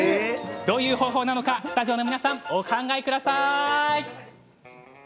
どういう方法なのかスタジオの皆さんお考えください。